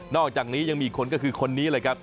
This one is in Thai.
อกจากนี้ยังมีอีกคนก็คือคนนี้เลยครับ